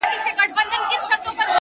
په خپل کور کي یې پردی پر زورور دی،